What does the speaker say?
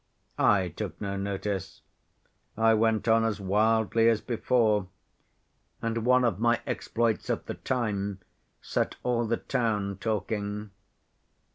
I took no notice, I went on as wildly as before, and one of my exploits at the time set all the town talking.